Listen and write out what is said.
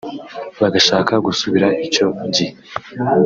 bagashaka gusubira icyo gihe